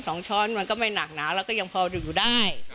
ช้อนมันก็ไม่หนักหนาแล้วก็ยังพออยู่ได้